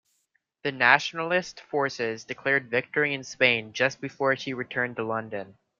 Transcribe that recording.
The Nationalist forces declared victory in Spain just before she returned to London.